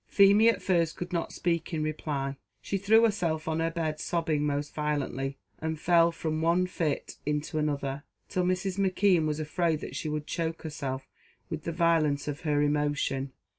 Feemy, at first, could not speak in reply; she threw herself on her bed sobbing most violently, and fell from one fit into another, till Mrs. McKeon was afraid that she would choke herself with the violence of her emotion.